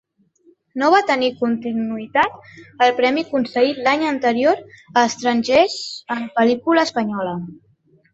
No va tenir continuïtat el premi concedit l'any anterior a estrangers en pel·lícula espanyola.